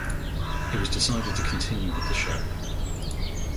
It was decided to continue with the show.